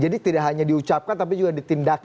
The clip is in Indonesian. jadi tidak hanya diucapkan tapi juga ditindaki